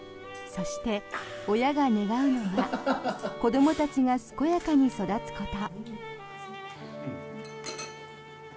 そして、親が願うのは子どもたちが健やかに育つこと。